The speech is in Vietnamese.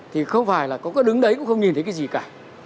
thì không phải là đứng đấy cũng không nhìn thấy cái gì cả